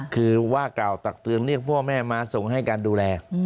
คือว่ากล่าวตักเตือนเรียกพ่อแม่มาส่งให้การดูแล